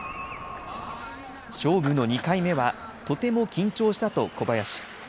勝負の２回目はとても緊張したと小林。